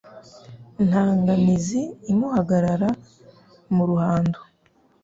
Nta nganizi imuhagarara mu ruhando.